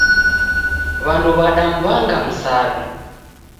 W'andu wadamw'anga msaw'i.